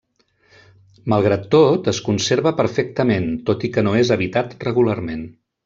Malgrat tot, es conserva perfectament, tot i que no és habitat regularment.